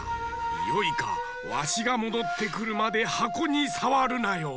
よいかわしがもどってくるまではこにさわるなよ。